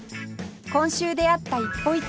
今週出会った一歩一会